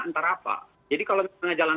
antara apa jadi kalau misalnya jalan